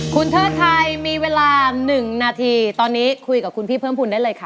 คุณเทิดไทยมีเวลา๑นาทีตอนนี้คุยกับคุณพี่เพิ่มภูมิได้เลยค่ะ